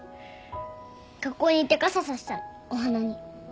学校に行って傘差したのお花に。